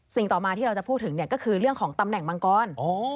ต่อมาที่เราจะพูดถึงเนี่ยก็คือเรื่องของตำแหน่งมังกร